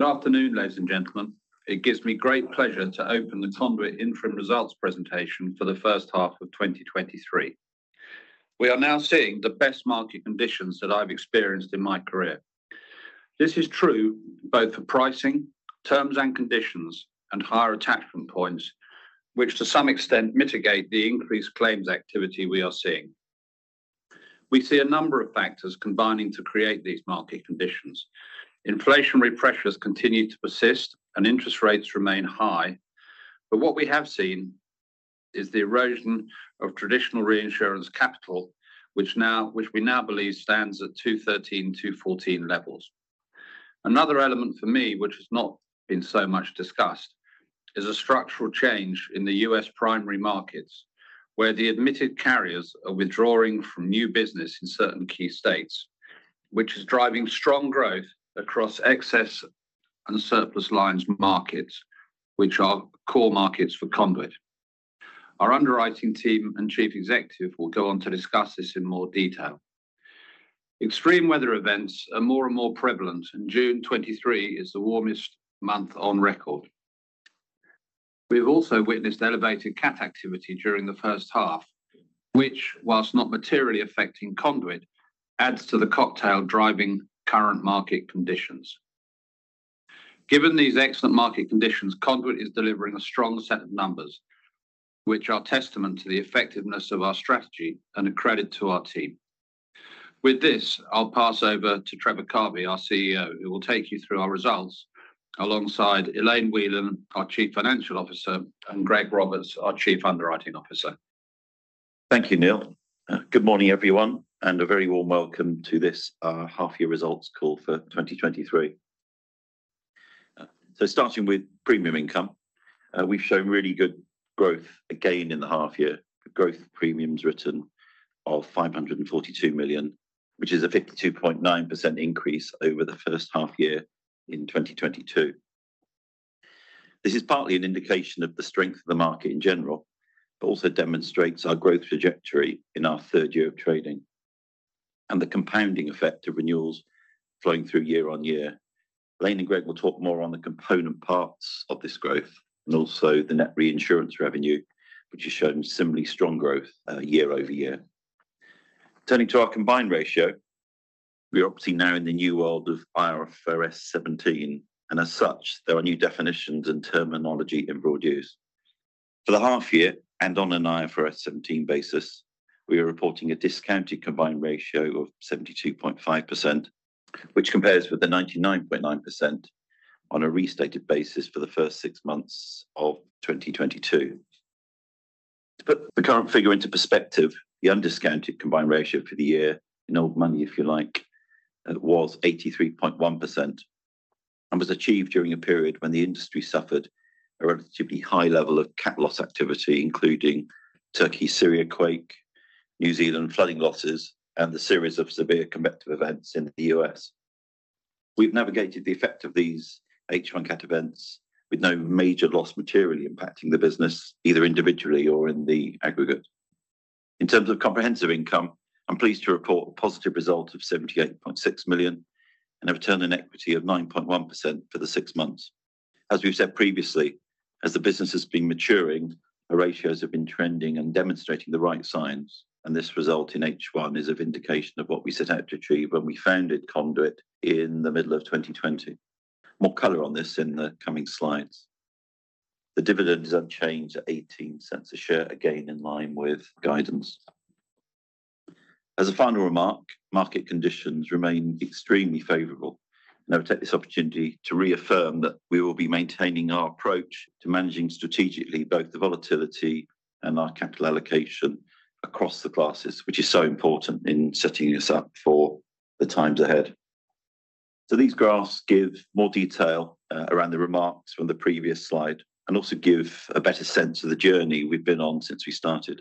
Good afternoon, ladies and gentlemen. It gives me great pleasure to open the Conduit interim results presentation for the first half of 2023. We are now seeing the best market conditions that I've experienced in my career. This is true both for pricing, terms and conditions, and higher attachment points, which, to some extent, mitigate the increased claims activity we are seeing. We see a number of factors combining to create these market conditions. Inflationary pressures continue to persist and interest rates remain high, but what we have seen is the erosion of traditional reinsurance capital, which we now believe stands at 213, 214 levels. Another element for me, which has not been so much discussed, is a structural change in the U.S. primary markets, where the admitted carriers are withdrawing from new business in certain key states, which is driving strong growth across excess and surplus lines markets, which are core markets for Conduit. Our underwriting team and chief executive will go on to discuss this in more detail. Extreme weather events are more and more prevalent. June 23 is the warmest month on record. We've also witnessed elevated cat activity during the first half, which, whilst not materially affecting Conduit, adds to the cocktail driving current market conditions. Given these excellent market conditions, Conduit is delivering a strong set of numbers, which are testament to the effectiveness of our strategy and a credit to our team. With this, I'll pass over to Trevor Carvey, our CEO, who will take you through our results, alongside Elaine Whelan, our Chief Financial Officer, and Greg Roberts, our Chief Underwriting Officer. Thank you, Neil. Good morning, everyone, and a very warm welcome to this half year results call for 2023. Starting with premium income, we've shown really good growth again in the half year. The growth of premiums written of $542 million, which is a 52.9% increase over the first half year in 2022. This is partly an indication of the strength of the market in general, but also demonstrates our growth trajectory in our third year of trading and the compounding effect of renewals flowing through year on year. Elaine and Greg will talk more on the component parts of this growth and also the net reinsurance revenue, which has shown similarly strong growth year-over-year. Turning to our combined ratio, we are obviously now in the new world of IFRS 17. As such, there are new definitions and terminology in broad use. For the half year, on an IFRS 17 basis, we are reporting a discounted combined ratio of 72.5%, which compares with the 99.9% on a restated basis for the first six months of 2022. To put the current figure into perspective, the undiscounted combined ratio for the year, in old money, if you like, was 83.1% and was achieved during a period when the industry suffered a relatively high level of cat loss activity, including Turkey, Syria quake, New Zealand flooding losses, and the series of severe convective events in the U.S.. We've navigated the effect of these H1 cat events with no major loss materially impacting the business, either individually or in the aggregate. In terms of comprehensive income, I'm pleased to report a positive result of $78.6 million and a return on equity of 9.1% for the six months. As we've said previously, as the business has been maturing, our ratios have been trending and demonstrating the right signs. This result in H1 is of indication of what we set out to achieve when we founded Conduit in the middle of 2020. More color on this in the coming slides. The dividend is unchanged at $0.18 a share, again, in line with guidance. As a final remark, market conditions remain extremely favorable, and I would take this opportunity to reaffirm that we will be maintaining our approach to managing strategically both the volatility and our capital allocation across the classes, which is so important in setting us up for the times ahead. These graphs give more detail around the remarks from the previous slide and also give a better sense of the journey we've been on since we started.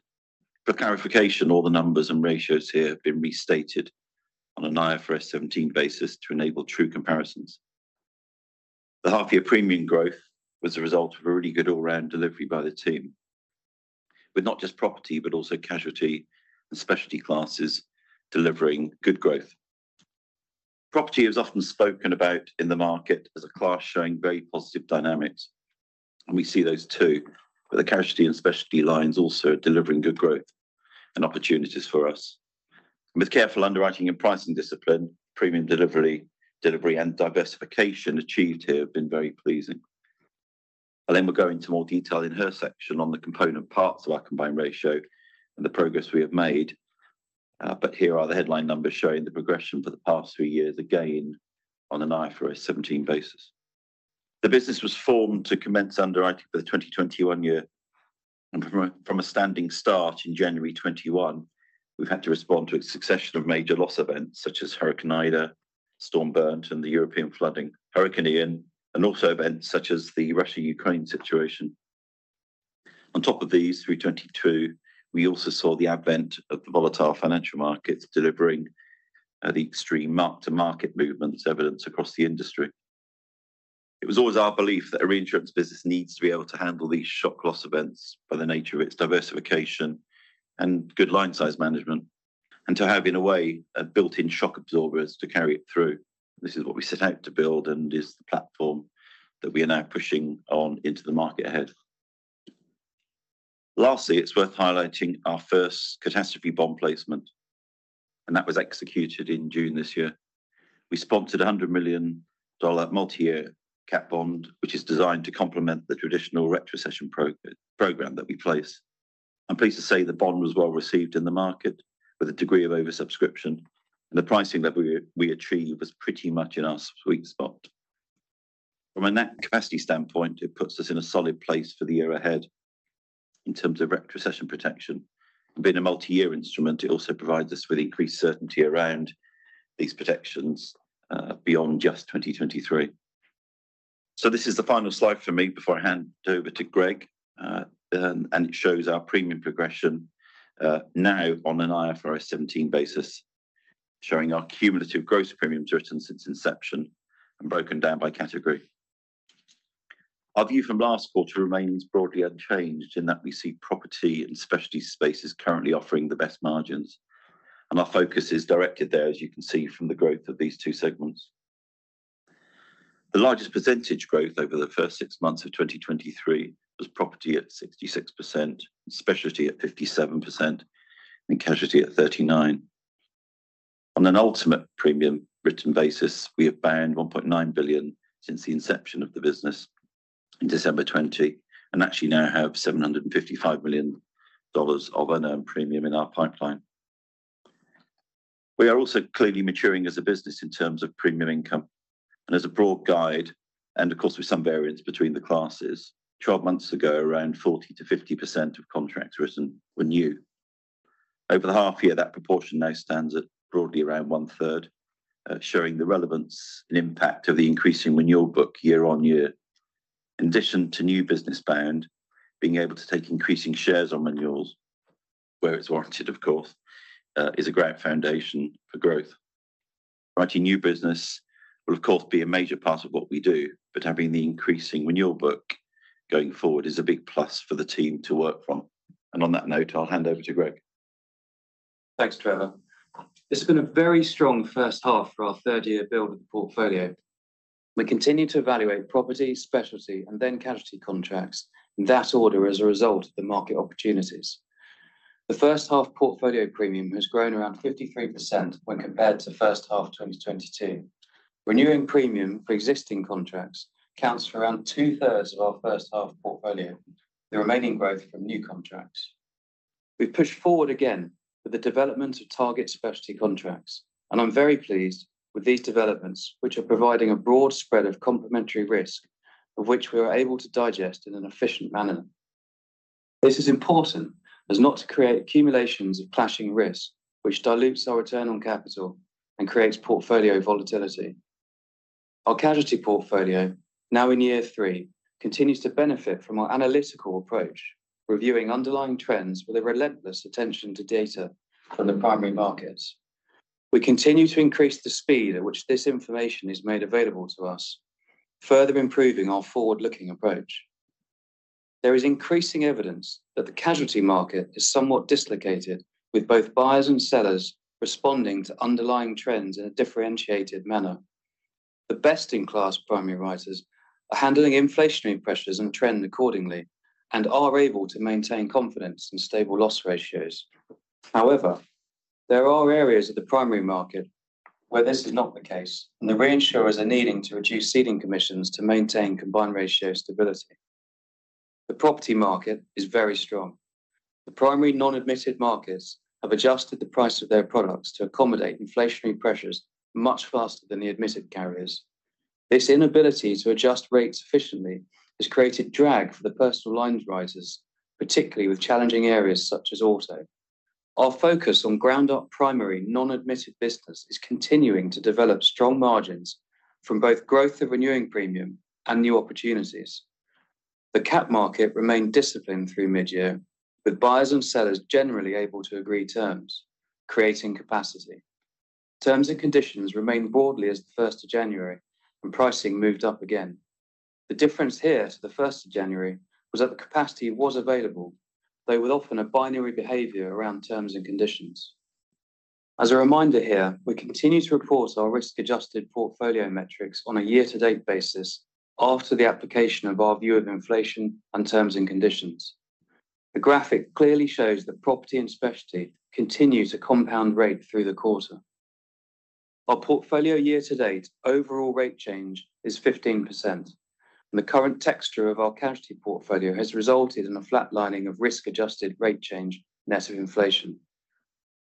For clarification, all the numbers and ratios here have been restated on an IFRS 17 basis to enable true comparisons. The half-year premium growth was the result of a really good all-round delivery by the team, with not just property, but also casualty and specialty classes delivering good growth. Property is often spoken about in the market as a class showing very positive dynamics, and we see those, too, with the casualty and specialty lines also delivering good growth and opportunities for us. With careful underwriting and pricing discipline, premium delivery and diversification achieved here have been very pleasing. Elaine will go into more detail in her section on the component parts of our combined ratio and the progress we have made, but here are the headline numbers showing the progression for the past 3 years, again, on an IFRS 17 basis. The business was formed to commence underwriting for the 2021 year, and from a standing start in January 2021, we've had to respond to a succession of major loss events such as Hurricane Ida, Storm Bernd, and the European flooding, Hurricane Ian, and also events such as the Russia-Ukraine situation. On top of these, through 2022, we also saw the advent of the volatile financial markets delivering the extreme mark-to-market movements evidenced across the industry. It was always our belief that a reinsurance business needs to be able to handle these shock loss events by the nature of its diversification and good line size management. To have, in a way, a built-in shock absorbers to carry it through. This is what we set out to build, and is the platform that we are now pushing on into the market ahead. Lastly, it's worth highlighting our first catastrophe bond placement, and that was executed in June this year. We sponsored a $100 million multi-year cat bond, which is designed to complement the traditional retrocession program that we place. I'm pleased to say the bond was well received in the market, with a degree of oversubscription, and the pricing that we achieved was pretty much in our sweet spot. From a net capacity standpoint, it puts us in a solid place for the year ahead in terms of retrocession protection. Being a multi-year instrument, it also provides us with increased certainty around these protections beyond just 2023. This is the final slide for me before I hand over to Greg, and it shows our premium progression now on an IFRS 17 basis, showing our cumulative gross premiums written since inception and broken down by category. Our view from last quarter remains broadly unchanged, in that we see property and specialty spaces currently offering the best margins, and our focus is directed there, as you can see from the growth of these two segments. The largest percentage growth over the first 6 months of 2023 was property at 66%, specialty at 57%, and casualty at 39%. On an ultimate premium written basis, we have bound $1.9 billion since the inception of the business in December 2020, and actually now have $755 million of unearned premium in our pipeline. We are also clearly maturing as a business in terms of premium income, and as a broad guide, and of course, with some variance between the classes, 12 months ago, around 40%-50% of contracts written were new. Over the half year, that proportion now stands at broadly around 1/3, showing the relevance and impact of the increasing renewal book year on year. In addition to new business bound, being able to take increasing shares on renewals, where it's warranted, of course, is a great foundation for growth. Writing new business will, of course, be a major part of what we do, but having the increasing renewal book going forward is a big plus for the team to work from. On that note, I'll hand over to Greg. Thanks, Trevor. This has been a very strong first half for our third-year build of the portfolio. We continue to evaluate property, specialty, casualty contracts, in that order, as a result of the market opportunities. The first half portfolio premium has grown around 53% when compared to first half of 2022. Renewing premium for existing contracts accounts for around two-thirds of our first half portfolio, the remaining growth from new contracts. We've pushed forward again with the development of target specialty contracts. I'm very pleased with these developments, which are providing a broad spread of complementary risk, of which we are able to digest in an efficient manner. This is important as not to create accumulations of clashing risks, which dilutes our return on capital and creates portfolio volatility. Our casualty portfolio, now in year three, continues to benefit from our analytical approach, reviewing underlying trends with a relentless attention to data from the primary markets. We continue to increase the speed at which this information is made available to us, further improving our forward-looking approach. There is increasing evidence that the casualty market is somewhat dislocated, with both buyers and sellers responding to underlying trends in a differentiated manner. The best-in-class primary writers are handling inflationary pressures and trend accordingly and are able to maintain confidence and stable loss ratios. However, there are areas of the primary market where this is not the case, and the reinsurers are needing to reduce ceding commissions to maintain combined ratio stability. The property market is very strong. The primary non-admitted markets have adjusted the price of their products to accommodate inflationary pressures much faster than the admitted carriers. This inability to adjust rates efficiently has created drag for the personal lines writers, particularly with challenging areas such as auto. Our focus on ground-up primary non-admitted business is continuing to develop strong margins from both growth of renewing premium and new opportunities. The cat market remained disciplined through mid-year, with buyers and sellers generally able to agree terms, creating capacity. Terms and conditions remained broadly as the first of January, and pricing moved up again. The difference here to the first of January was that the capacity was available, though with often a binary behavior around terms and conditions. As a reminder here, we continue to report our risk-adjusted portfolio metrics on a year-to-date basis after the application of our view of inflation and terms and conditions. The graphic clearly shows that property and specialty continue to compound rate through the quarter. Our portfolio year-to-date overall rate change is 15%. The current texture of our casualty portfolio has resulted in a flatlining of risk-adjusted rate change net of inflation.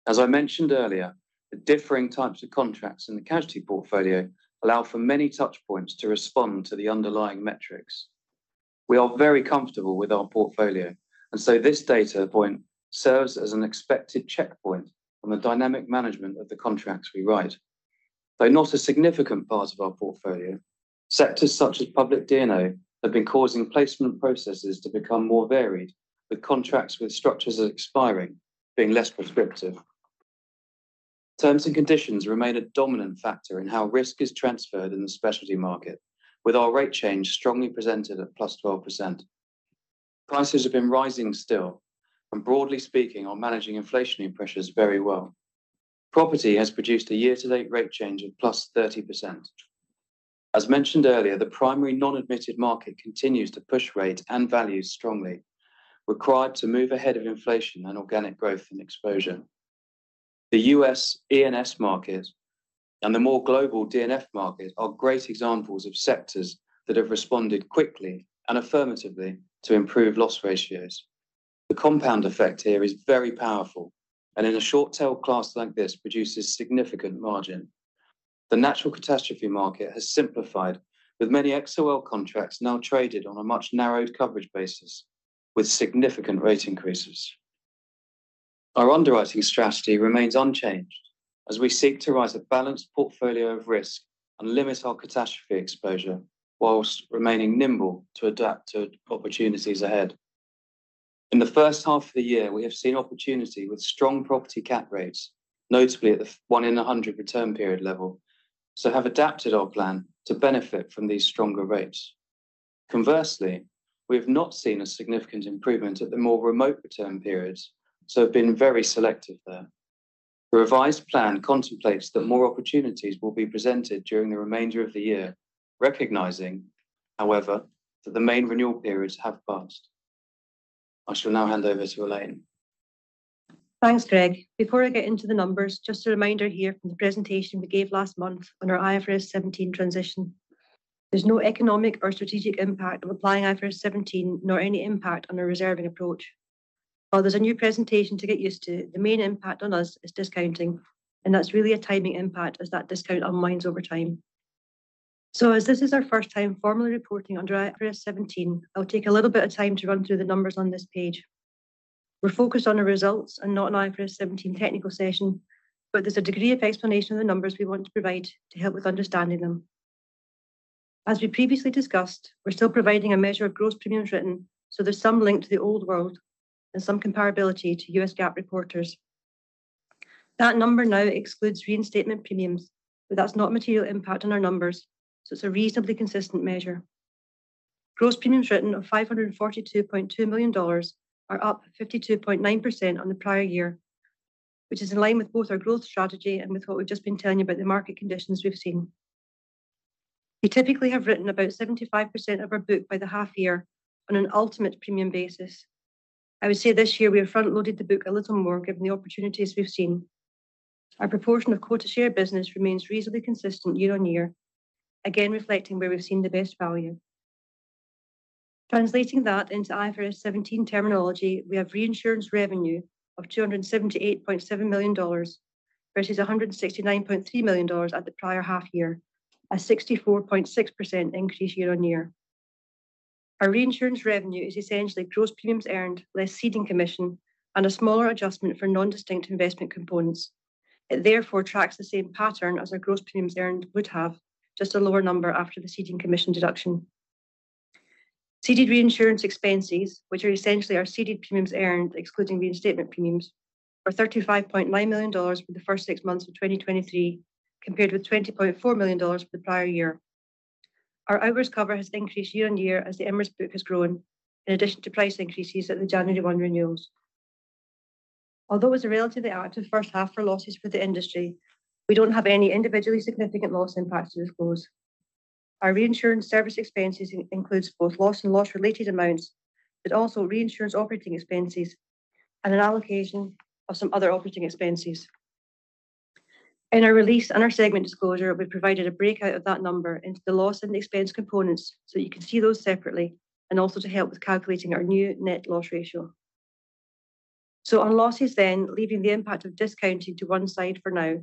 As I mentioned earlier, the differing types of contracts in the casualty portfolio allow for many touch points to respond to the underlying metrics. We are very comfortable with our portfolio. This data point serves as an expected checkpoint on the dynamic management of the contracts we write. Though not a significant part of our portfolio, sectors such as public D&O have been causing placement processes to become more varied, with contracts with structures expiring being less prescriptive. Terms and conditions remain a dominant factor in how risk is transferred in the specialty market, with our rate change strongly presented at +12%. Prices have been rising still, broadly speaking, are managing inflationary pressures very well. Property has produced a year-to-date rate change of +30%. As mentioned earlier, the primary non-admitted market continues to push rates and values strongly, required to move ahead of inflation and organic growth and exposure. The U.S. E&S market and the more global DNF market are great examples of sectors that have responded quickly and affirmatively to improve loss ratios. The compound effect here is very powerful, and in a short-tail class like this, produces significant margin. The natural catastrophe market has simplified, with many XoL contracts now traded on a much narrowed coverage basis, with significant rate increases. Our underwriting strategy remains unchanged as we seek to raise a balanced portfolio of risk and limit our catastrophe exposure, whilst remaining nimble to adapt to opportunities ahead. In the first half of the year, we have seen opportunity with strong property cat rates, notably at the 1 in a 100 return period level, so have adapted our plan to benefit from these stronger rates. Conversely, we have not seen a significant improvement at the more remote return periods, so have been very selective there. The revised plan contemplates that more opportunities will be presented during the remainder of the year, recognizing, however, that the main renewal periods have passed. I shall now hand over to Elaine. Thanks, Greg. Before I get into the numbers, just a reminder here from the presentation we gave last month on our IFRS 17 transition. There's no economic or strategic impact of applying IFRS 17, nor any impact on our reserving approach. While there's a new presentation to get used to, the main impact on us is discounting, and that's really a timing impact as that discount unwinds over time. As this is our first time formally reporting under IFRS 17, I'll take a little bit of time to run through the numbers on this page. We're focused on the results and not an IFRS 17 technical session, there's a degree of explanation of the numbers we want to provide to help with understanding them. As we previously discussed, we're still providing a measure of gross premiums written, so there's some link to the old world and some comparability to U.S. GAAP reporters. That number now excludes reinstatement premiums, but that's not material impact on our numbers, so it's a reasonably consistent measure. Gross premiums written of $542.2 million are up 52.9% on the prior year, which is in line with both our growth strategy and with what we've just been telling you about the market conditions we've seen. We typically have written about 75% of our book by the half year on an ultimate premium basis. I would say this year we have front-loaded the book a little more, given the opportunities we've seen. Our proportion of quota share business remains reasonably consistent year on year, again, reflecting where we've seen the best value. Translating that into IFRS 17 terminology, we have reinsurance revenue of $278.7 million, versus $169.3 million at the prior half year, a 64.6% increase year-on-year. Our reinsurance revenue is essentially gross premiums earned, less ceding commission and a smaller adjustment for non-distinct investment components. It therefore tracks the same pattern as our gross premiums earned would have, just a lower number after the ceding commission deduction. Ceded reinsurance expenses, which are essentially our ceded premiums earned, excluding reinstatement premiums, are $35.9 million for the first six months of 2023, compared with $20.4 million for the prior year. Our hours cover has increased year-on-year as the Emirates book has grown, in addition to price increases at the January one renewals. Although it was a relatively active first half for losses for the industry, we don't have any individually significant loss impacts to disclose. Our reinsurance service expenses includes both loss and loss related amounts, but also reinsurance operating expenses and an allocation of some other operating expenses. In our release and our segment disclosure, we provided a breakout of that number into the loss and expense components so you can see those separately and also to help with calculating our new net loss ratio. On losses then, leaving the impact of discounting to one side for now,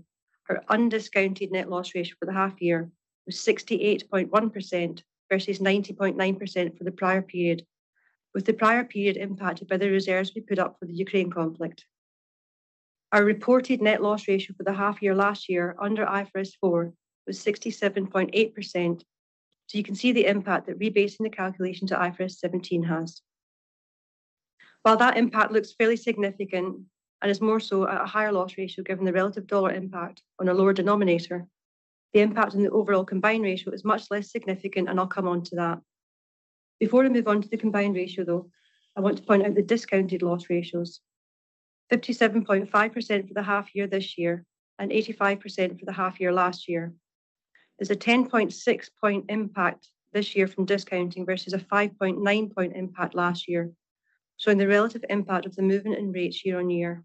our undiscounted net loss ratio for the half year was 68.1% versus 90.9% for the prior period, with the prior period impacted by the reserves we put up for the Ukraine conflict. Our reported net loss ratio for the half year last year under IFRS 4 was 67.8%. You can see the impact that rebasing the calculation to IFRS 17 has. While that impact looks fairly significant and is more so at a higher loss ratio, given the relative dollar impact on a lower denominator, the impact on the overall combined ratio is much less significant, and I'll come on to that. Before I move on to the combined ratio, though, I want to point out the discounted loss ratios. 57.5% for the half year this year and 85% for the half year last year. There's a 10.6 point impact this year from discounting versus a 5.9 point impact last year, showing the relative impact of the movement in rates year-on-year.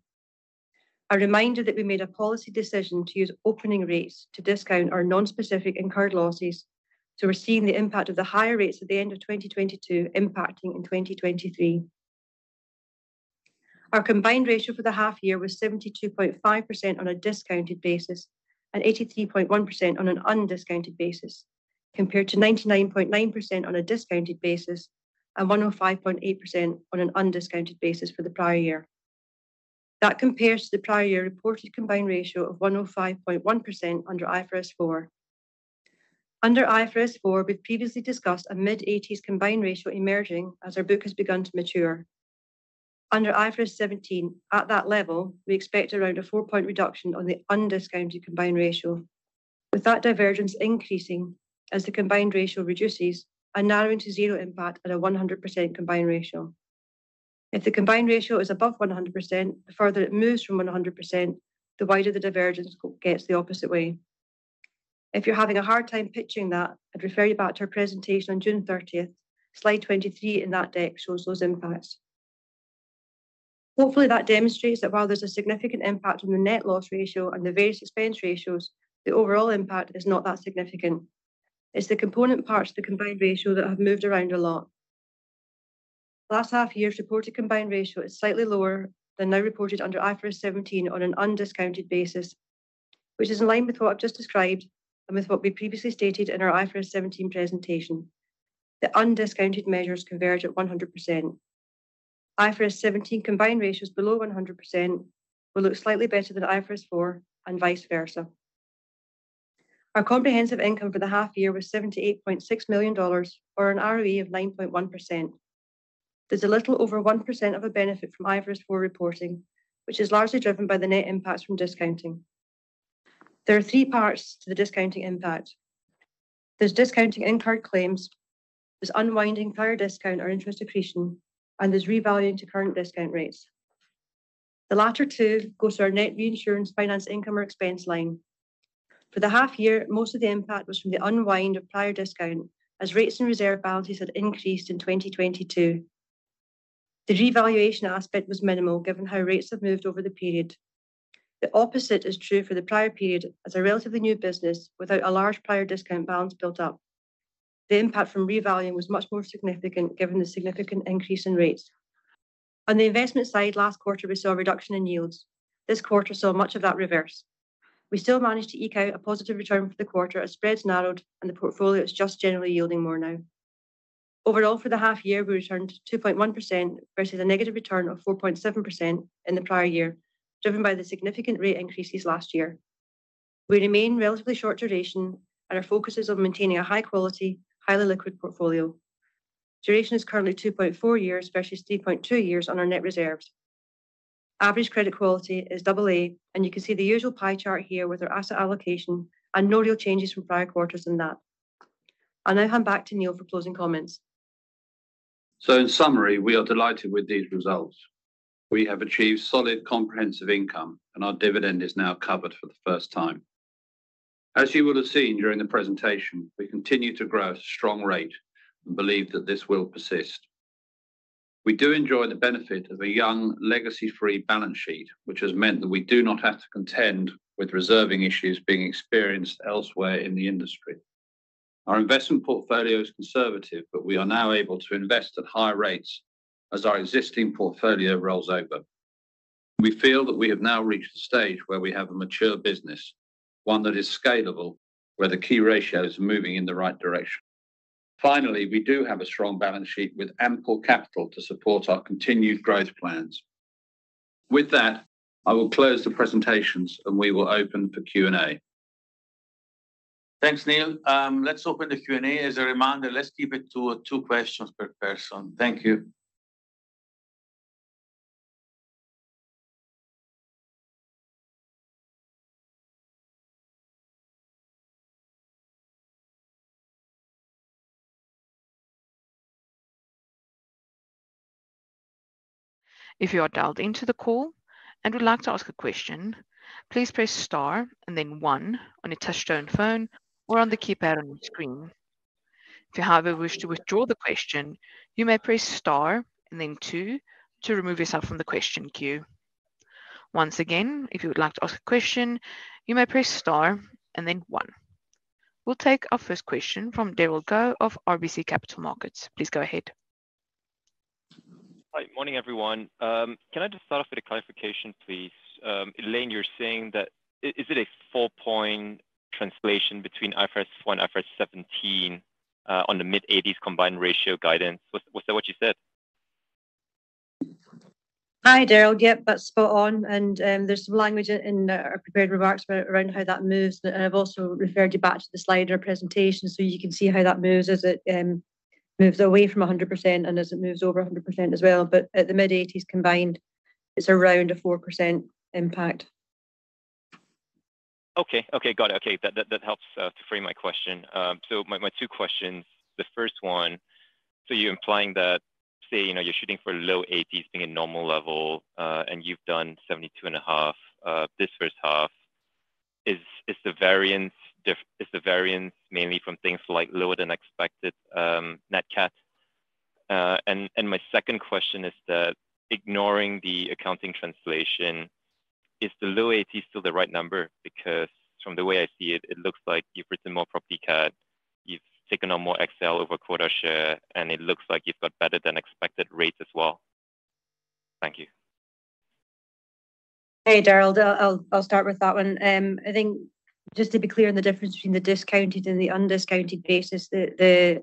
A reminder that we made a policy decision to use opening rates to discount our non-specific incurred losses, we're seeing the impact of the higher rates at the end of 2022 impacting in 2023. Our combined ratio for the half year was 72.5% on a discounted basis and 83.1% on an undiscounted basis, compared to 99.9% on a discounted basis and 105.8% on an undiscounted basis for the prior year. That compares to the prior year reported combined ratio of 105.1% under IFRS 4. Under IFRS 4, we've previously discussed a mid-80s combined ratio emerging as our book has begun to mature. Under IFRS 17, at that level, we expect around a 4-point reduction on the undiscounted combined ratio, with that divergence increasing as the combined ratio reduces and narrowing to zero impact at a 100% combined ratio. If the combined ratio is above 100%, the further it moves from 100%, the wider the divergence gets the opposite way. If you're having a hard time pitching that, I'd refer you back to our presentation on June 30th. Slide 23 in that deck shows those impacts. Hopefully, that demonstrates that while there's a significant impact on the net loss ratio and the various expense ratios, the overall impact is not that significant. It's the component parts of the combined ratio that have moved around a lot. Last half year's reported combined ratio is slightly lower than now reported under IFRS 17 on an undiscounted basis, which is in line with what I've just described and with what we previously stated in our IFRS 17 presentation. The undiscounted measures converge at 100%. IFRS 17 combined ratios below 100% will look slightly better than IFRS 4, and vice versa. Our comprehensive income for the half year was $78.6 million or an ROE of 9.1%. There's a little over 1% of a benefit from IFRS 4 reporting, which is largely driven by the net impacts from discounting. There are three parts to the discounting impact. There's discounting incurred claims, there's unwinding prior discount or interest accretion, and there's revaluing to current discount rates. The latter two go to our net reinsurance finance income or expense line. For the half year, most of the impact was from the unwind of prior discount, as rates and reserve balances had increased in 2022. The revaluation aspect was minimal, given how rates have moved over the period. The opposite is true for the prior period, as a relatively new business without a large prior discount balance built up. The impact from revaluing was much more significant, given the significant increase in rates. On the investment side, last quarter, we saw a reduction in yields. This quarter saw much of that reverse. We still managed to eke out a positive return for the quarter as spreads narrowed and the portfolio is just generally yielding more now. Overall, for the half year, we returned 2.1% versus a negative return of 4.7% in the prior year, driven by the significant rate increases last year. We remain relatively short duration, and our focus is on maintaining a high quality, highly liquid portfolio. Duration is currently 2.4 years, versus 3.2 years on our net reserves. Average credit quality is AA, and you can see the usual pie chart here with our asset allocation, and no real changes from prior quarters in that. I'll now hand back to Neil for closing comments. In summary, we are delighted with these results. We have achieved solid comprehensive income, and our dividend is now covered for the first time. As you will have seen during the presentation, we continue to grow at a strong rate and believe that this will persist. We do enjoy the benefit of a young legacy-free balance sheet, which has meant that we do not have to contend with reserving issues being experienced elsewhere in the industry. Our investment portfolio is conservative, but we are now able to invest at higher rates as our existing portfolio rolls over. We feel that we have now reached a stage where we have a mature business, one that is scalable, where the key ratio is moving in the right direction. Finally, we do have a strong balance sheet with ample capital to support our continued growth plans. With that, I will close the presentations. We will open for Q&A. Thanks, Neil. Let's open the Q&A. As a reminder, let's keep it to two questions per person. Thank you. If you are dialed into the call and would like to ask a question, please press star and then one on a touchtone phone or on the keypad on your screen. If you, however, wish to withdraw the question, you may press star and then two to remove yourself from the question queue. Once again, if you would like to ask a question, you may press star and then one. We'll take our first question from Daryl Go of RBC Capital Markets. Please go ahead. Hi. Morning, everyone. can I just start off with a clarification, please? Elaine, you're saying that is it a 4-point translation between IFRS one, IFRS 17, on the mid-80s combined ratio guidance? Was that what you said? Hi, Daryl. Yep, that's spot on, and there's some language in our prepared remarks about around how that moves, and I've also referred you back to the slider presentation, so you can see how that moves as it moves away from 100% and as it moves over 100% as well. At the mid-80s combined, it's around a 4% impact. Okay. Okay, got it. Okay, that helps to frame my question. My two questions. The first one, you're implying that, say, you know, you're shooting for low 80s being a normal level, and you've done 72.5 this first half. Is the variance mainly from things like lower than expected net CAT? And my second question is, ignoring the accounting translation, is the low 80 still the right number? Because from the way I see it looks like you've written more property CAT, you've taken on more excess over quota share, and it looks like you've got better than expected rates as well. Thank you. Hey, Daryl. I'll start with that one. I think just to be clear on the difference between the discounted and the undiscounted basis, the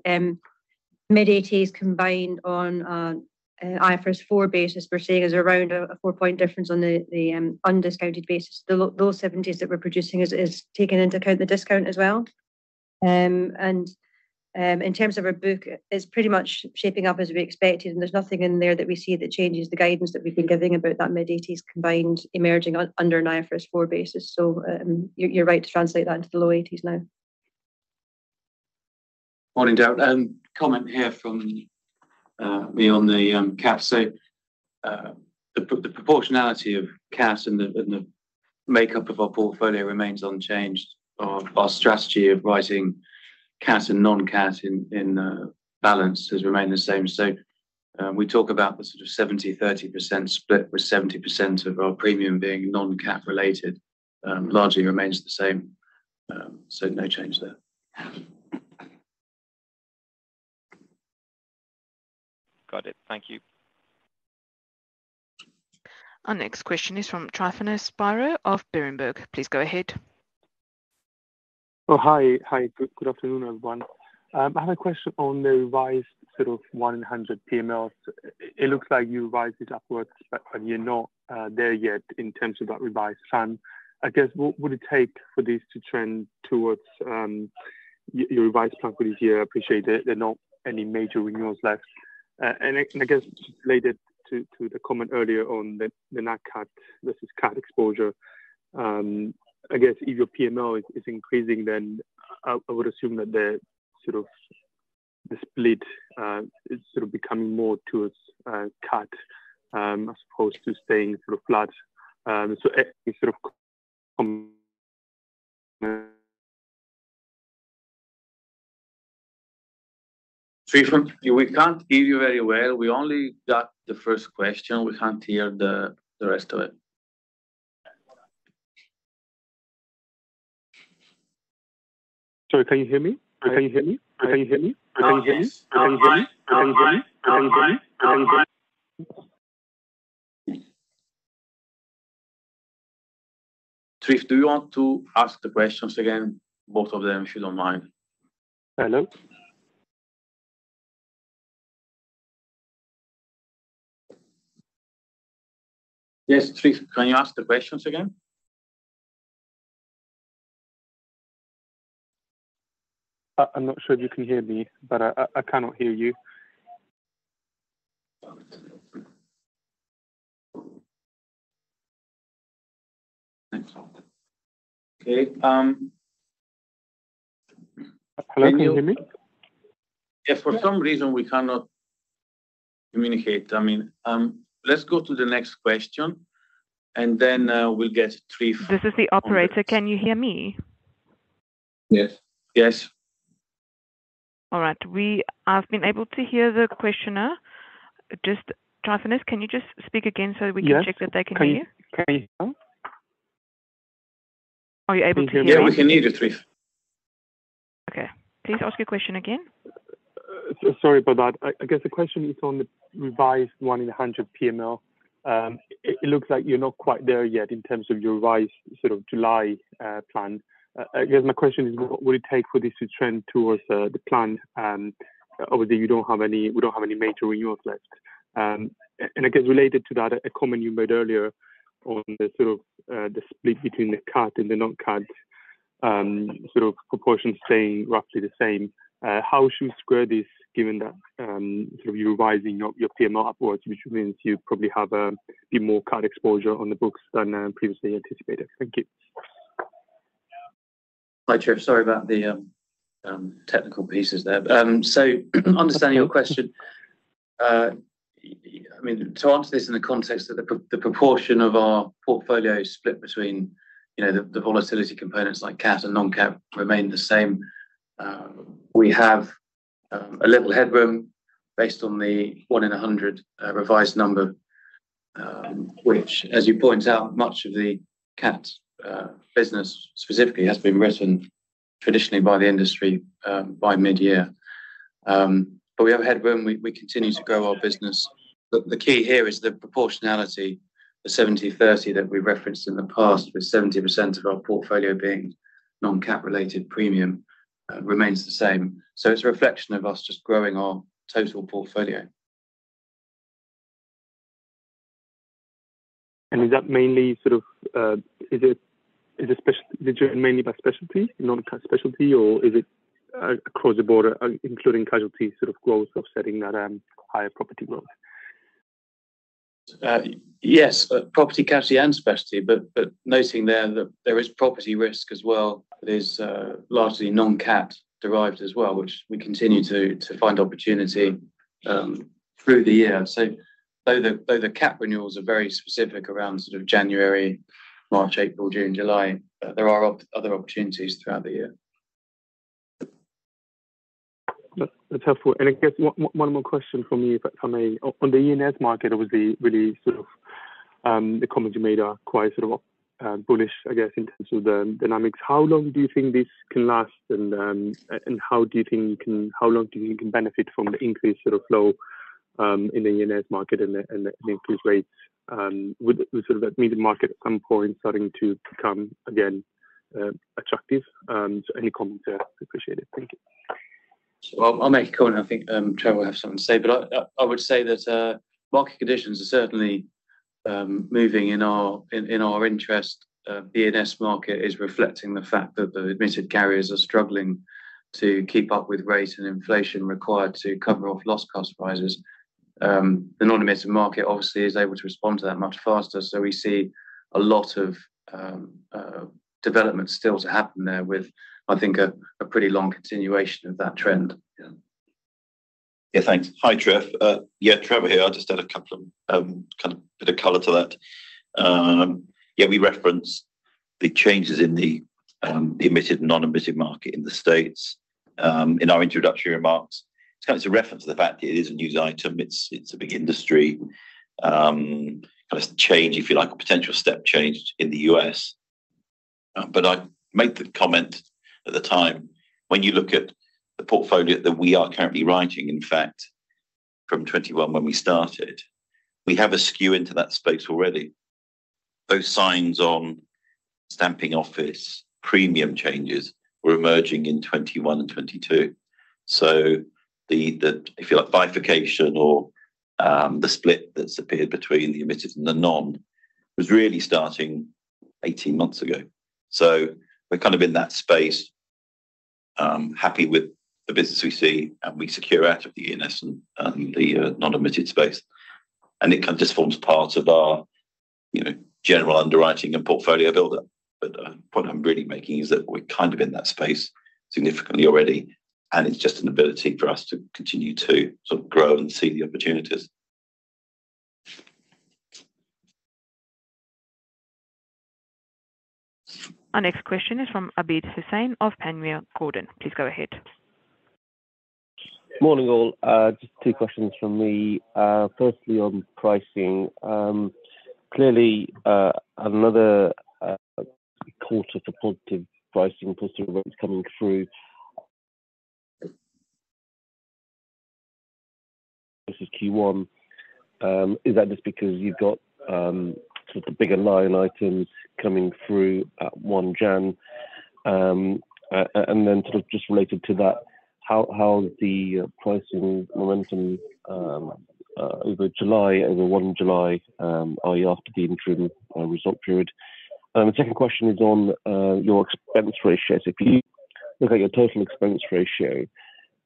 mid-80s combined on IFRS 4 basis, we're seeing is around a 4-point difference on the undiscounted basis. Those 70s that we're producing is taking into account the discount as well? In terms of our book, it's pretty much shaping up as we expected, and there's nothing in there that we see that changes the guidance that we've been giving about that mid-80s combined, emerging under an IFRS 4 basis. You're right to translate that into the low 80s now. Morning, Daryl. Comment here from me on the cat. The proportionality of cat and the makeup of our portfolio remains unchanged. Our strategy of writing cat and non-cat in balance has remained the same. We talk about the sort of 70%, 30% split, with 70% of our premium being non-cat related, largely remains the same. No change there. Got it. Thank you. Our next question is from Tryfonas Spyrou of Berenberg. Please go ahead. Oh, hi. Hi, good afternoon, everyone. I have a question on the revised sort of 1 in 100 PML. It looks like you revised it upwards, but you're not there yet in terms of that revised plan. I guess, what would it take for this to trend towards your revised plan here? I appreciate that there are not any major renewals left. I guess related to the comment earlier on the not cat versus cat exposure, I guess if your PML is increasing, then I would assume that the sort of the split is sort of becoming more towards cat as opposed to staying sort of flat. Any sort of, Trif, we can't hear you very well. We only got the first question. We can't hear the rest of it. Sorry, can you hear me? Trif, do you want to ask the questions again? Both of them, if you don't mind. Hello? Yes, Trif, can you ask the questions again? I'm not sure if you can hear me, but I cannot hear you. Okay. Hello, can you hear me? If for some reason we cannot communicate, I mean, let's go to the next question, and then, we'll get Trif- This is the operator. Can you hear me? Yes. Yes. All right. I've been able to hear the questioner. Just, Tryphonas, can you just speak again so that we can check that they can hear? Yes. Can you hear me? Are you able to hear me? Yeah, we can hear you, Trif. Okay. Please ask your question again. Sorry about that. I guess the question is on the revised 1 in 100 PML. It looks like you're not quite there yet in terms of your revised sort of July plan. I guess my question is, what would it take for this to trend towards the plan? Obviously, we don't have any major renewals left. I guess related to that, a comment you made earlier on the sort of the split between the cat and the non-cat, sort of proportions staying roughly the same, how should we square this, given that sort of you're revising your PML upwards, which means you probably have a bit more cat exposure on the books than previously anticipated? Thank you. Hi, Trif. Sorry about the technical pieces there. Understanding your question, I mean, to answer this in the context of the proportion of our portfolio split between, you know, the volatility components like cat and non-cat remain the same. We have a little headroom based on the 1 in 100 revised number, which, as you point out, much of the cat business specifically has been written traditionally by the industry by mid-year. We have headroom. We continue to grow our business. The key here is the proportionality, the 70/30 that we referenced in the past, with 70% of our portfolio being non-cat-related premium, remains the same. It's a reflection of us just growing our total portfolio. is that mainly sort of, is it mainly by specialty, non-cat specialty, or is it, across the board, including casualty sort of growth offsetting that, higher property growth? Yes, property, casualty, and specialty, but noting there that there is property risk as well. There's largely non-cat derived as well, which we continue to find opportunity through the year. Though the cat renewals are very specific around sort of January, March, April, June, July, there are other opportunities throughout the year. That's helpful. I guess one more question from me, if I may. On the year-end market, obviously, really sort of, the comments you made are quite sort of, bullish, I guess, in terms of the dynamics. How long do you think this can last? How long do you think can benefit from the increased sort of flow, in the year-end market and the increased rates? Would sort of that mean the market at some point starting to become again, attractive? Any comments there are appreciated. Thank you. I'll make a comment, I think, Trevor will have something to say. I would say that market conditions are certainly moving in our interest. The E&S market is reflecting the fact that the admitted carriers are struggling to keep up with rates and inflation required to cover off loss cost rises. The non-admitted market obviously is able to respond to that much faster. We see a lot of development still to happen there with, I think, a pretty long continuation of that trend. Yeah. Yeah, thanks. Hi, Trif. Yeah, Trevor here. I'll just add a couple of, kind of bit of color to that. Yeah, we referenced the changes in the admitted and non-admitted market in the U.S., in our introductory remarks. It's kind of a reference to the fact that it is a news item. It's, it's a big industry. kind of change, if you like, a potential step change in the U.S. I made the comment at the time, when you look at the portfolio that we are currently writing, in fact, from 21, when we started, we have a skew into that space already. Those signs on stamping office, premium changes were emerging in 21 and 22. The, the, if you like, bifurcation or, the split that's appeared between the admitted and the non was really starting 18 months ago. We're kind of in that space, happy with the business we see, and we secure out of the ENS and the non-admitted space. It kind of just forms part of our, you know, general underwriting and portfolio builder. What I'm really making is that we're kind of in that space significantly already, and it's just an ability for us to continue to sort of grow and see the opportunities. Our next question is from Abid Hussain of Panmure Gordon. Please go ahead. Morning, all. Just two questions from me. Firstly, on pricing. Clearly, another quarter for positive pricing, positive rates coming through versus Q1. Is that just because you've got sort of the bigger line items coming through at 1 Jan? Sort of just related to that, how's the pricing momentum over July, over 1 July, i.e., after the interim result period? The second question is on your expense ratios. If you look at your total expense ratio,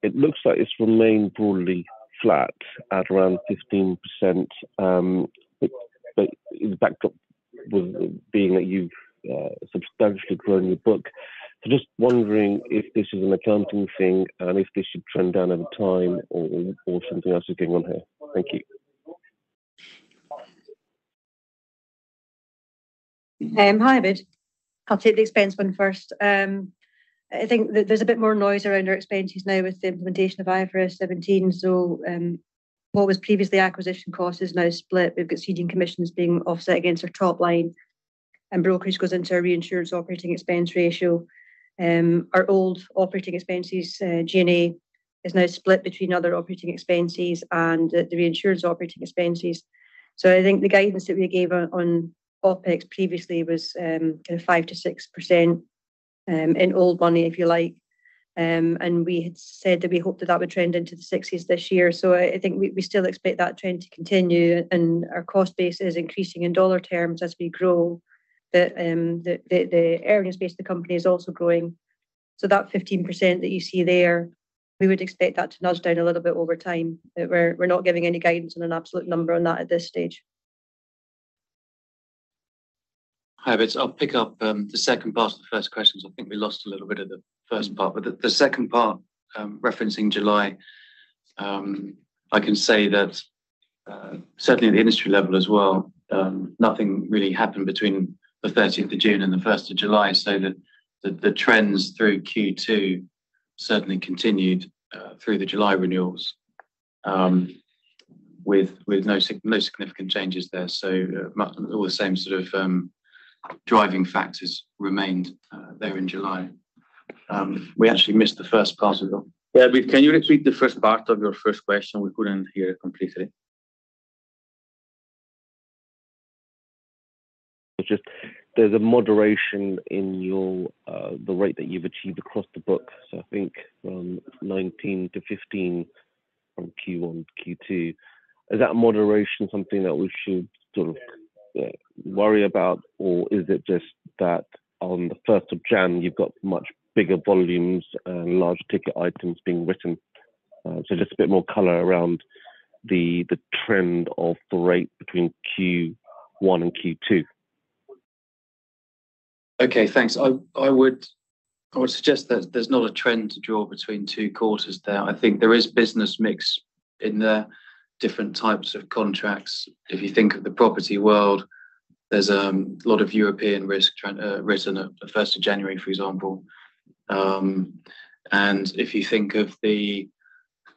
it looks like it's remained broadly flat at around 15%, but it backed up with the being that you've substantially grown your book. Just wondering if this is an accounting thing and if this should trend down over time or something else is going on here. Thank you. Hi, Abid. I'll take the expense one first. I think that there's a bit more noise around our expenses now with the implementation of IFRS 17. What was previously acquisition cost is now split. We've got ceding commissions being offset against our top line, and brokerage goes into our reinsurance operating expense ratio. Our old operating expenses, G&A, is now split between other operating expenses and the reinsurance operating expenses. I think the guidance that we gave on OpEx previously was kind of 5%-6% in old money, if you like. We had said that we hoped that that would trend into the 60s this year. I think we still expect that trend to continue, and our cost base is increasing in dollar terms as we grow. The earnings base of the company is also growing. That 15% that you see there, we would expect that to nudge down a little bit over time. We're not giving any guidance on an absolute number on that at this stage. Hi, Abid. I'll pick up the second part of the first question, because I think we lost a little bit of the first part. The second part referencing July, I can say that certainly at the industry level as well, nothing really happened between the 13th of June and the 1st of July. The trends through Q2 certainly continued through the July renewals, with no significant changes there. All the same sort of driving factors remained there in July. We actually missed the first part of it. Yeah, Abid, can you repeat the first part of your first question? We couldn't hear it completely. Just there's a moderation in your the rate that you've achieved across the book. I think from 19 to 15, from Q1 to Q2. Is that moderation something that we should sort of worry about, or is it just that on the 1st of Jan, you've got much bigger volumes and large ticket items being written? Just a bit more color around the trend of the rate between Q1 and Q2. Okay, thanks. I would suggest that there's not a trend to draw between 2 quarters there. I think there is business mix in the different types of contracts. If you think of the property world, there's a lot of European risk trend written at the 1st of January, for example. If you think of the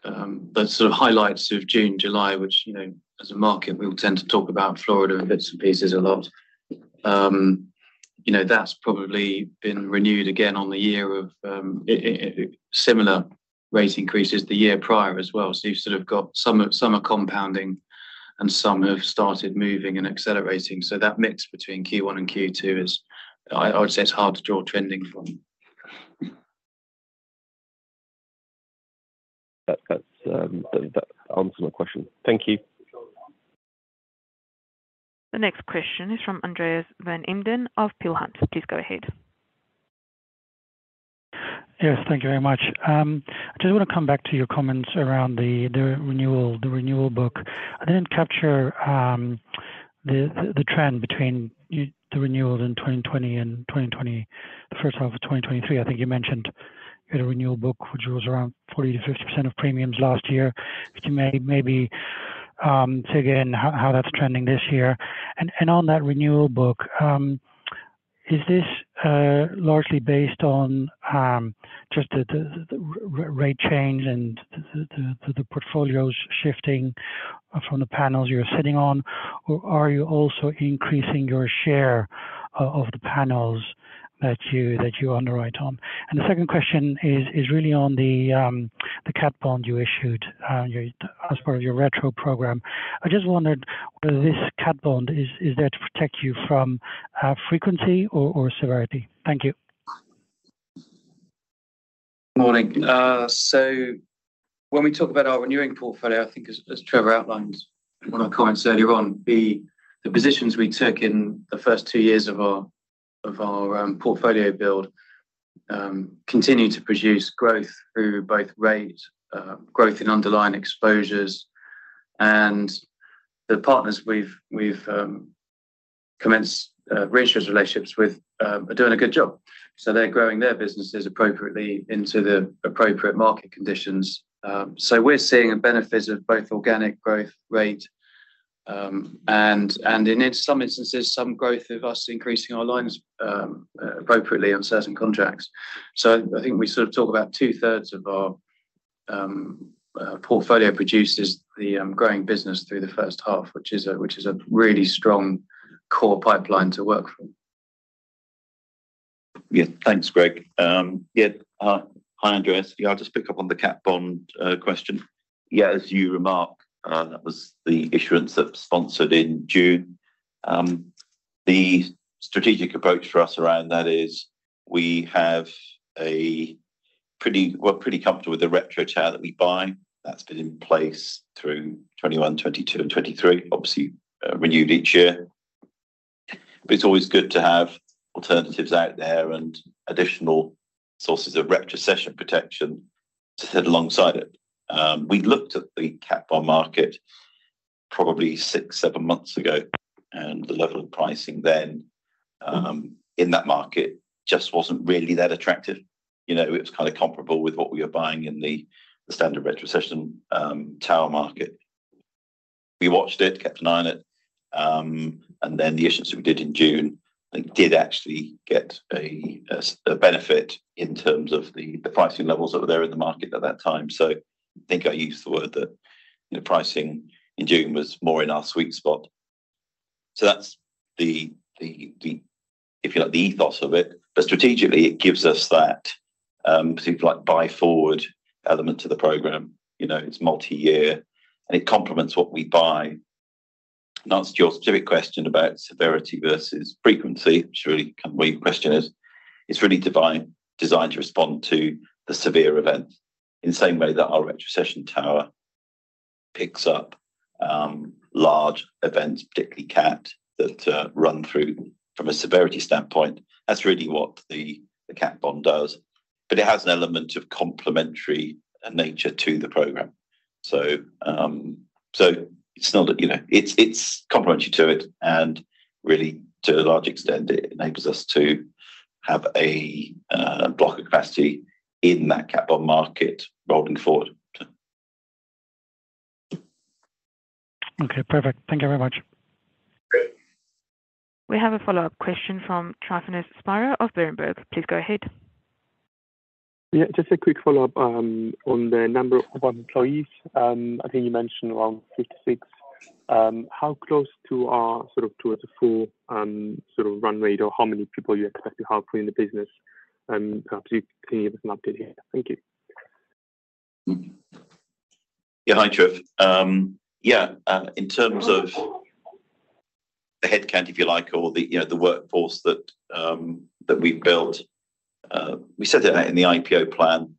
sort of highlights of June, July, which, you know, as a market, we will tend to talk about Florida in bits and pieces a lot. You know, that's probably been renewed again on the year of similar rate increases the year prior as well. You've sort of got some are, some are compounding, and some have started moving and accelerating. That mix between Q1 and Q2 is. I would say it's hard to draw trending from. That's, that answers my question. Thank you. The next question is from Andreas van Embden of Peel Hunt. Please go ahead. Yes, thank you very much. I just want to come back to your comments around the renewal book. I didn't capture the trend between the renewals in 2020 and 2020, the first half of 2023. I think you mentioned you had a renewal book, which was around 40%-50% of premiums last year. If you may, maybe, say again, how that's trending this year. On that renewal book, is this largely based on just the rate change and the portfolios shifting from the panels you're sitting on? Or are you also increasing your share of the panels that you underwrite on? The second question is really on the cat bond you issued as part of your retro program. I just wondered whether this cat bond is there to protect you from frequency or severity? Thank you. Morning, so when we talk about our renewing portfolio, I think as Trevor outlined on our comments earlier on, the positions we took in the first 2 years of our portfolio build continue to produce growth through both rate, growth in underlying exposures. The partners we've commenced reinsurer relationships with are doing a good job. So they're growing their businesses appropriately into the appropriate market conditions. So we're seeing a benefit of both organic growth rate, and in some instances, some growth of us increasing our lines appropriately on certain contracts. So I think we sort of talk about two-thirds of our portfolio produces the growing business through the first half, which is a really strong core pipeline to work from. Yeah. Thanks, Greg. Yeah. Hi, Andreas. I'll just pick up on the cat bond question. As you remark, that was the issuance that sponsored in June. The strategic approach for us around that is we're pretty comfortable with the retro tower that we buy that's been in place through 2021, 2022, and 2023, obviously, renewed each year. It's always good to have alternatives out there and additional sources of retrocession protection to sit alongside it. We looked at the cat bond market probably 6, 7 months ago, and the level of pricing then, in that market just wasn't really that attractive. You know, it was kind of comparable with what we were buying in the standard retrocession tower market. We watched it, kept an eye on it. The issuance that we did in June and did actually get a benefit in terms of the pricing levels that were there in the market at that time. I think I used the word that, you know, pricing in June was more in our sweet spot. That's the, if you like, the ethos of it, but strategically, it gives us that things like buy forward element to the program. You know, it's multi-year, and it complements what we buy. Answer to your specific question about severity versus frequency, which really kind of we question is, it's really designed to respond to the severe events in the same way that our retrocession tower picks up large events, particularly cat, that run through from a severity standpoint. That's really what the cat bond does, but it has an element of complementary nature to the program. It's not that, you know, it's complementary to it, and really to a large extent, it enables us to have a block of capacity in that cat bond market rolling forward. Okay, perfect. Thank you very much. Great. We have a follow-up question from Tryfonas Spyrou of Berenberg. Please go ahead. Yeah, just a quick follow-up, on the number of employees. I think you mentioned around 56. How close to are sort of towards a full, sort of runway, or how many people you expect to have in the business? Perhaps you can give us an update here. Thank you. Hi, Trif. In terms of the headcount, if you like, or the, you know, the workforce that we've built, we said that in the IPO plan,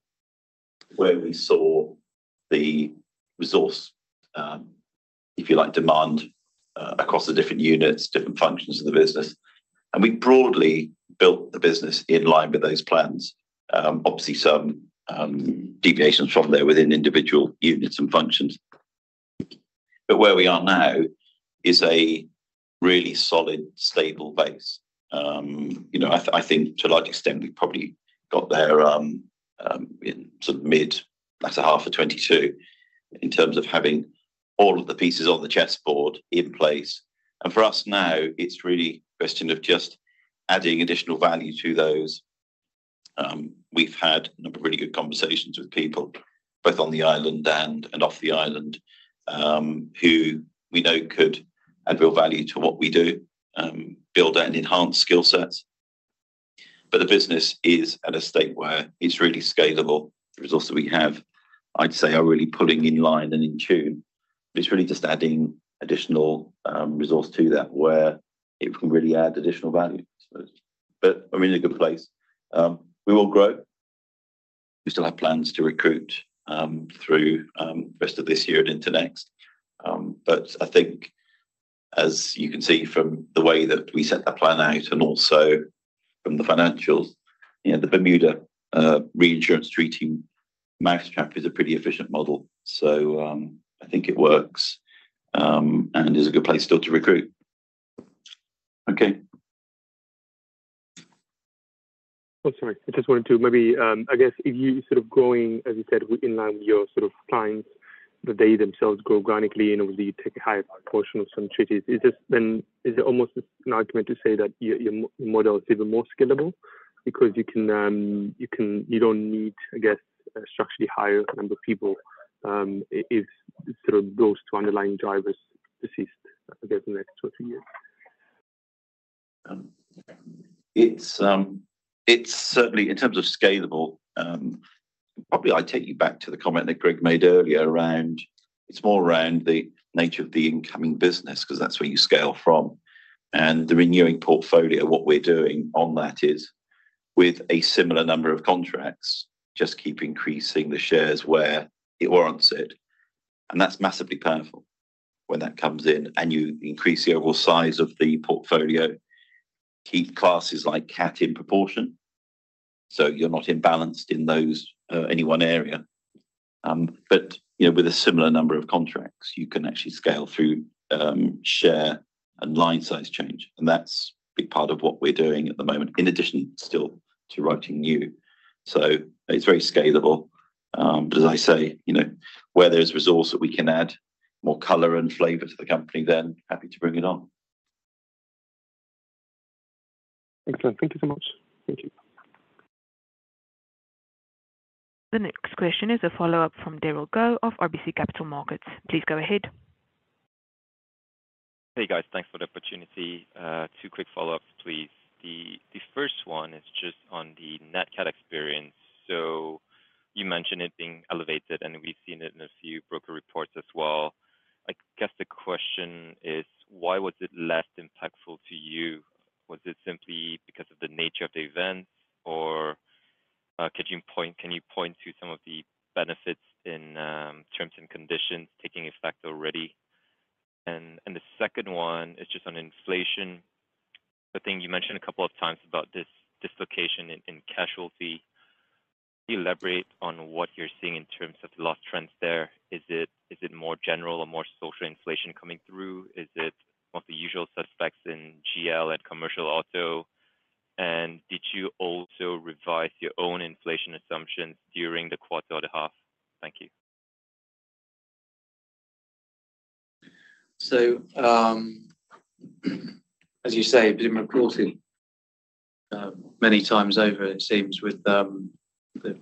where we saw the resource, if you like, demand, across the different units, different functions of the business, and we broadly built the business in line with those plans. Obviously, some deviations from there within individual units and functions. But where we are now is a really solid, stable base. You know, I think to a large extent, we've probably got there in sort of mid latter half of 2022, in terms of having all of the pieces on the chessboard in place. For us now, it's really a question of just adding additional value to those. We've had a number of really good conversations with people, both on the island and off the island, who we know could add real value to what we do, build and enhance skill sets. The business is at a state where it's really scalable. The resources we have, I'd say, are really pulling in line and in tune. It's really just adding additional resource to that, where it can really add additional value, I suppose. We're in a good place. We will grow. We still have plans to recruit through the rest of this year and into next. I think, as you can see from the way that we set that plan out, and also from the financials, you know, the Bermuda reinsurance treating mousetrap is a pretty efficient model. I think it works and is a good place still to recruit. Okay. Oh, sorry. I just wanted to maybe, I guess if you're sort of growing, as you said, in line with your sort of clients, that they themselves grow organically, and obviously, you take a higher portion of some treaties, is it almost an argument to say that your model is even more scalable? Because you don't need, I guess, a structurally higher number of people, if sort of those two underlying drivers persist, I guess, in the next 2 or 3 years. It's certainly, in terms of scalable, probably, I'd take you back to the comment that Greg made earlier around... It's more around the nature of the incoming business, 'cause that's where you scale from. The renewing portfolio, what we're doing on that is, with a similar number of contracts, just keep increasing the shares where it warrants it, and that's massively powerful when that comes in. You increase the overall size of the portfolio, keep classes like cat in proportion, so you're not imbalanced in those, any one area. You know, with a similar number of contracts, you can actually scale through, share and line size change, and that's a big part of what we're doing at the moment, in addition, still, to writing new. It's very scalable. As I say, you know, where there's resource that we can add more color and flavor to the company, then happy to bring it on. Excellent. Thank you so much. Thank you. The next question is a follow-up from Daryl Go of RBC Capital Markets. Please go ahead. Hey, guys. Thanks for the opportunity. Two quick follow-ups, please. The first one is just on the net cat experience. You mentioned it being elevated, and we've seen it in a few broker reports as well. I guess the question is, why was it less impactful to you? Was it simply because of the nature of the events, or can you point to some of the benefits in terms and conditions taking effect already? The second one is just on inflation. I think you mentioned a couple of times about this dislocation in casualty. Can you elaborate on what you're seeing in terms of the loss trends there? Is it more general or more social inflation coming through? Is it more of the usual suspects in GL and commercial auto? Did you also revise your own inflation assumptions during the quarter or the half? Thank you. As you say, it's been reported many times over, it seems, with the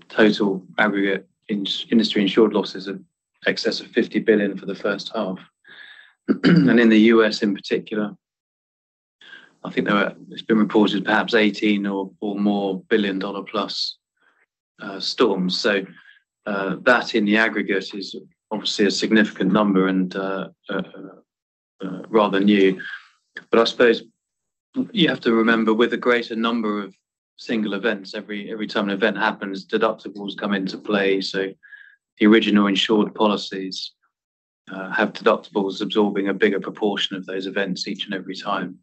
total aggregate industry insured losses in excess of $50 billion for the first half. In the U.S., in particular, I think it's been reported perhaps 18 or more billion-dollar-plus storms. That in the aggregate is obviously a significant number and rather new. I suppose you have to remember, with a greater number of single events, every time an event happens, deductibles come into play, so the original insured policies have deductibles absorbing a bigger proportion of those events each and every time.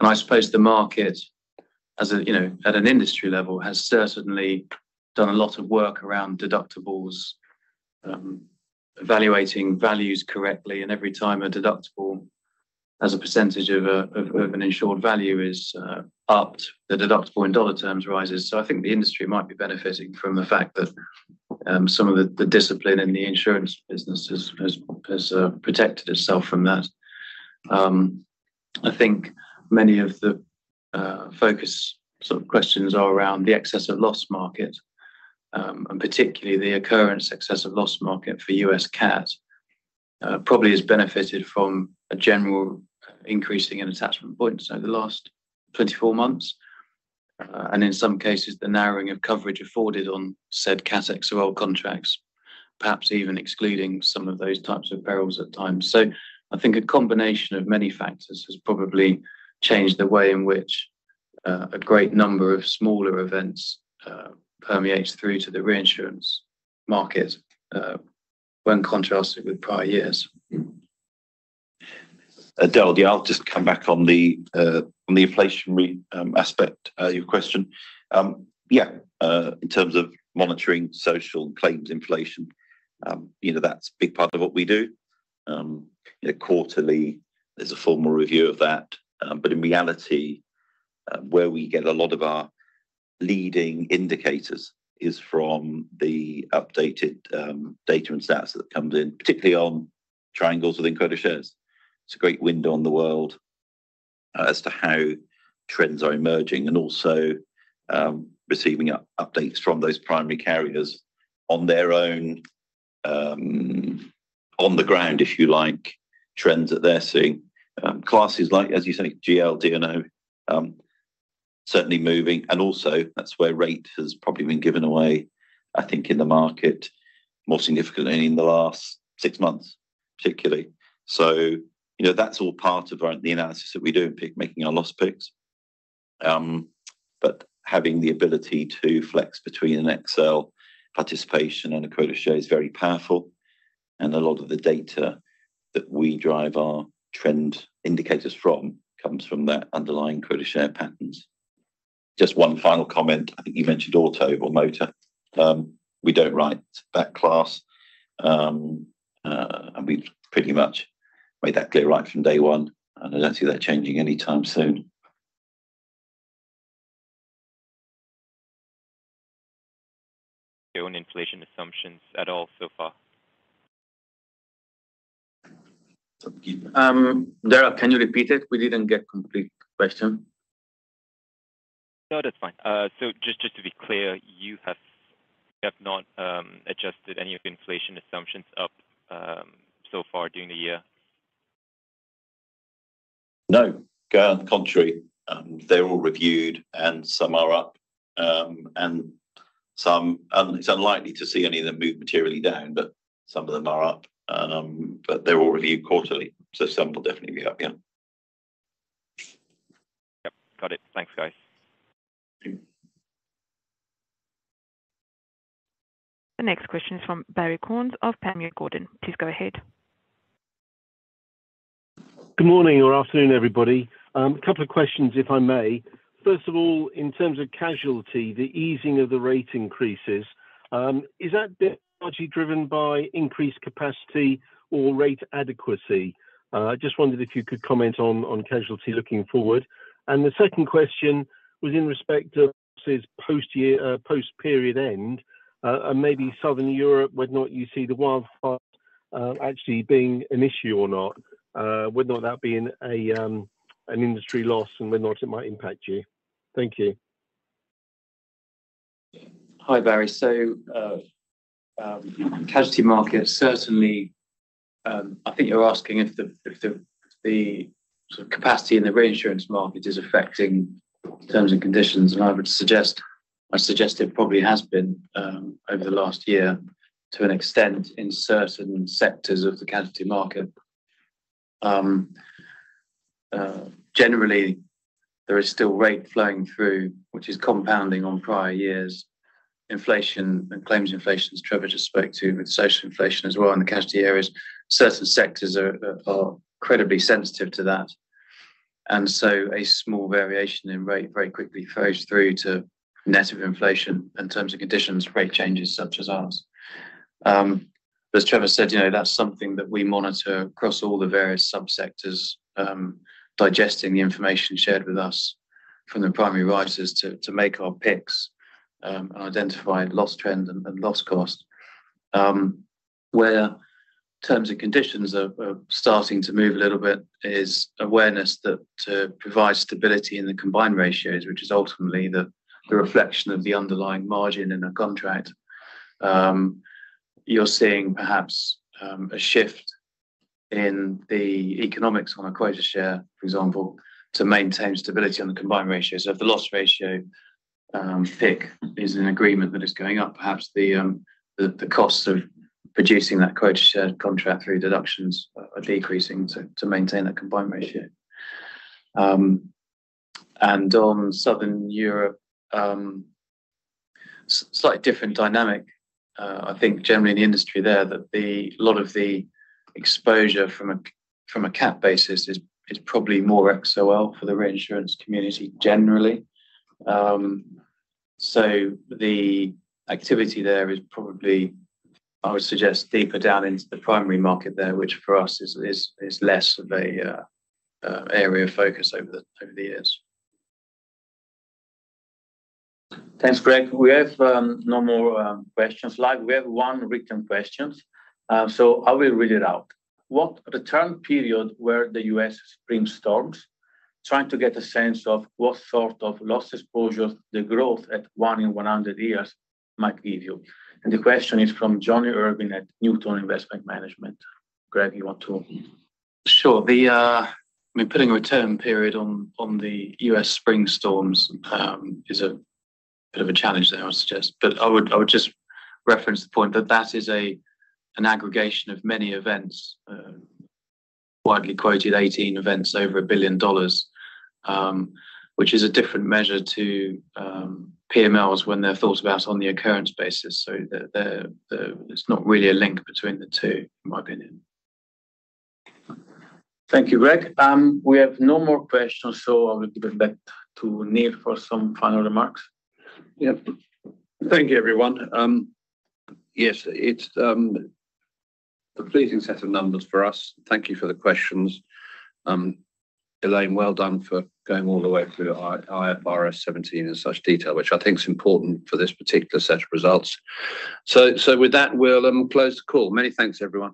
I suppose the market, as a, you know, at an industry level, has certainly done a lot of work around deductibles, evaluating values correctly, and every time a deductible, as a percentage of an insured value, is upped, the deductible in dollar terms rises. I think the industry might be benefiting from the fact that some of the discipline in the insurance business has protected itself from that. I think many of the focus sort of questions are around the excess of loss market, and particularly the occurrence excess of loss market for U.S. cat. Probably has benefited from a general increasing in attachment points over the last 24 months. In some cases, the narrowing of coverage afforded on said cat XoL contracts, perhaps even excluding some of those types of perils at times. I think a combination of many factors has probably changed the way in which a great number of smaller events permeates through to the reinsurance market when contrasted with prior years. Daryl, yeah, I'll just come back on the on the inflationary aspect of your question. Yeah, in terms of monitoring social claims inflation, you know, that's a big part of what we do. You know, quarterly, there's a formal review of that, but in reality, where we get a lot of our leading indicators is from the updated data and stats that comes in, particularly on triangles within quota shares. It's a great window on the world, as to how trends are emerging and also, receiving updates from those primary carriers on their own, on the ground, if you like, trends that they're seeing. Classes like, as you say, GL, D&O, certainly moving, and also that's where rate has probably been given away, I think, in the market, more significantly in the last 6 months, particularly. You know, that's all part of our, the analysis that we do in pick, making our loss picks. Having the ability to flex between an XoL participation and a quota share is very powerful, and a lot of the data that we derive our trend indicators from comes from the underlying quota share patterns. Just 1 final comment. I think you mentioned auto or motor. We don't write that class, and we've pretty much made that clear right from day one, and I don't see that changing anytime soon. Your own inflation assumptions at all so far? Daryl, can you repeat it? We didn't get complete question. No, that's fine. just to be clear, you have not adjusted any of your inflation assumptions up so far during the year? No, quite on the contrary, they're all reviewed, and some are up, and some... it's unlikely to see any of them move materially down, but some of them are up. They're all reviewed quarterly, so some will definitely be up, yeah. Yep, got it. Thanks, guys. Thank you. The next question is from Barrie Cornes of Panmure Gordon. Please go ahead. Good morning or afternoon, everybody. A couple of questions, if I may. First of all, in terms of casualty, the easing of the rate increases, is that largely driven by increased capacity or rate adequacy? Just wondered if you could comment on casualty looking forward. The second question was in respect to post-year, post-period end, and maybe Southern Europe, whether or not you see the wildfire actually being an issue or not, whether or not that being a an industry loss, and whether or not it might impact you? Thank you. Hi, Barrie. casualty market, certainly, I think you're asking if the sort of capacity in the reinsurance market is affecting terms and conditions. I suggest it probably has been over the last year, to an extent in certain sectors of the casualty market. Generally, there is still rate flowing through, which is compounding on prior years' inflation and claims inflation, as Trevor just spoke to, with social inflation as well in the casualty areas. Certain sectors are incredibly sensitive to that, and so a small variation in rate very quickly flows through to net of inflation in terms of conditions, rate changes such as ours. As Trevor said, you know, that's something that we monitor across all the various subsectors, digesting the information shared with us from the primary writers to make our picks, and identify loss trend and loss cost. Where terms and conditions are starting to move a little bit is awareness that to provide stability in the combined ratios, which is ultimately the reflection of the underlying margin in a contract. You're seeing perhaps a shift in the economics on a quota share, for example, to maintain stability on the combined ratio. If the loss ratio pick is an agreement that is going up, perhaps the costs of producing that quota share contract through deductions are decreasing to maintain that combined ratio. On Southern Europe, slightly different dynamic. I think generally in the industry there, that the lot of the exposure from a cat basis is probably more XoL for the reinsurance community generally. The activity there is probably, I would suggest, deeper down into the primary market there, which for us is less of an area of focus over the years. Thanks, Greg. We have no more questions live. We have one written questions, so I will read it out. "What return period were the U.S. spring storms? Trying to get a sense of what sort of loss exposure the growth at 1 in 100 years might give you." The question is from Jonny Urwin at Newton Investment Management. Greg, you want to...? Sure. I mean, putting a return period on the U.S. spring storms, is a bit of a challenge there, I would suggest. I would just reference the point that is an aggregation of many events, widely quoted 18 events over $1 billion, which is a different measure to PMLs when they're thought about on the occurrence basis. There's not really a link between the two, in my opinion. Thank you, Greg. We have no more questions, I will give it back to Neil for some final remarks. Yep. Thank you, everyone. Yes, it's a pleasing set of numbers for us. Thank you for the questions. Elaine, well done for going all the way through IFRS 17 in such detail, which I think is important for this particular set of results. With that, we'll close the call. Many thanks, everyone.